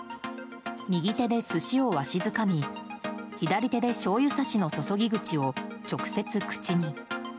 右手で寿司をわしづかみ左手でしょうゆさしの注ぎ口を直接、口に。